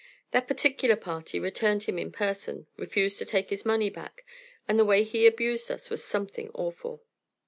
That particular party returned him in person, refused to take his money back, and the way he abused us was something awful.